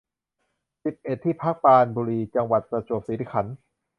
สิบเอ็ด ที่พักปราณบุรี จังหวัดประจวบคีรีขันธ์